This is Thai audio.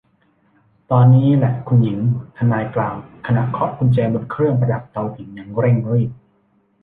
ตอนนี้แหละคุณหญิง ทนายกล่าวขณะเคาะกุญแจบนเครื่องประดับเตาผิงอย่างเร่งรีบ